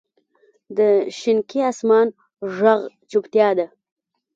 د شینکي اسمان ږغ چوپتیا ده.